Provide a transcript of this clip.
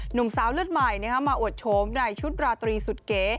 หนุ่มสาวเลือดใหม่เนี้ยค่ะมาอวดโชมในชุดราตรีสุดเก